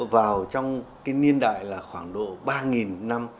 vào trong cái niên đại là khoảng độ ba năm